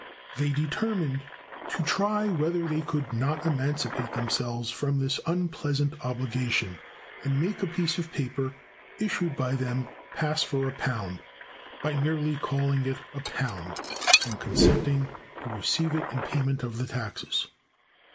They determined to try whether they could not emancipate themselves from this unpleasant obligation, and make a piece of paper issued by them pass for a pound, by merely calling it a pound, and consenting to receive it in payment of the taxes.